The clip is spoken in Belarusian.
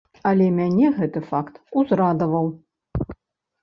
Але мяне гэты факт узрадаваў.